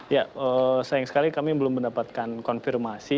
ya sayang sekali kami belum mendapatkan konfirmasi